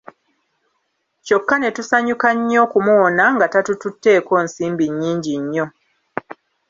Kyokka ne tusanyuka nnyo okumuwona nga tatututteeko nsimbi nnyingi nnyo.